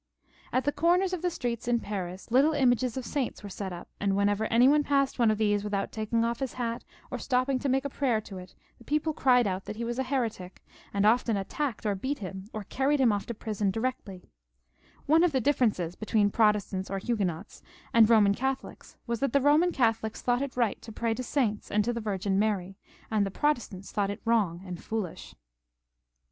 At the comers of the streets in Paris, little images of saints were set up, and whenever any one passed one of these without taking off his hat, or stopping to make a prayer to it, the people cried out that he was a heretic, and often attacked him or beat him, or carried him off to prison on the spot I have said before that one of the 266 FRANCIS II. [ch. differences between Protestants or Huguenots anci Eoman Catholics was that the Boman Catholics thought it right to pray to saints and to the Virgin Maiy, and the Protest ants thought it wrong and foolish.